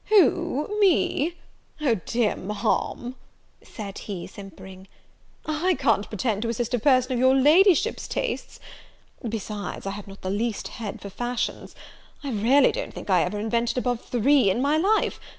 "Who, me! O, dear Ma'am," said he, simpering, "I can't pretend to assist a person of your Ladyship's tastes; besides, I have not the least head for fashions. I really don't think I ever invented above three in my life!